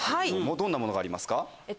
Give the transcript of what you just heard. どんなものがありますか？